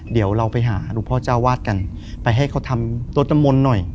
เดี๋ยวเราไปหาหลวงพ่อเจ้าวาดกันไปให้เขาทำรถน้ำมนต์หน่อย